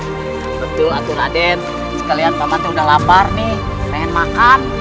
betul atun aden sekalian pak mat udah lapar nih pengen makan